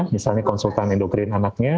misalnya konsultan endokrin anaknya